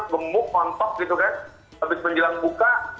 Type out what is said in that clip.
lemuk kontok gitu kan habis menjelang buka